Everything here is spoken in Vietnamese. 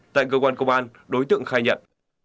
tại cơ quan công an đối tượng khai nhận